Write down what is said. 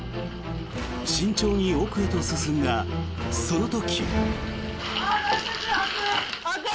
慎重に奥へと進んだその時。